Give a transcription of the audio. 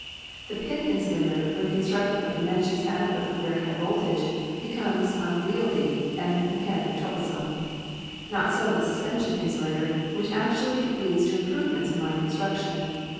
The pin insulator, when constructed of dimensions adequate for very high voltage, became unwieldy and mechanically troublesome; not so the suspension insulator, which actu ally leads to improvements in line construction.